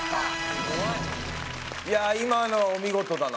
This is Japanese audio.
いやあ今のはお見事だな。